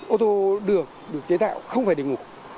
ô tô được chế tạo không phải để ngủ